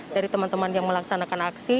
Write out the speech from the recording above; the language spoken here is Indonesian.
dari teman teman yang melaksanakan aksi